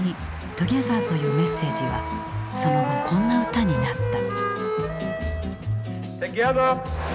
「Ｔｏｇｅｔｈｅｒ」というメッセージはその後こんな歌になった。